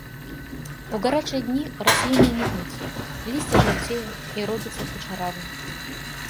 У гарачыя дні расліны нікнуць, лісце жаўцее і робіцца кучаравым.